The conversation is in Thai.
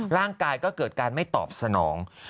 ร่างกายก็เกิดการไม่ตอบสนอง